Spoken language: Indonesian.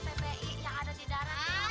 kebirsa ppi yang ada di darat